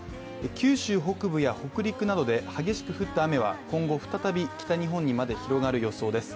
九州北部や北陸などで激しく降った雨は今後、再び北日本にまで広がる予想です。